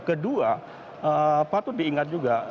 kedua patut diingat juga